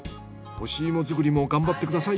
干し芋作りも頑張ってください。